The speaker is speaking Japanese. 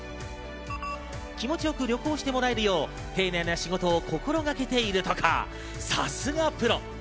気持ちよく旅行してもらえるよう丁寧な仕事を心がけているとか、さすがプロ。